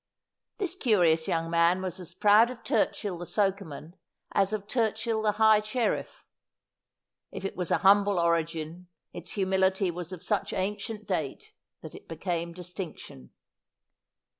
This curious young man was as proud of Turchill the sokeman as of Turchill the high sherifE. If it was a humble origin its humility was of such ancient date that it became dis tinction.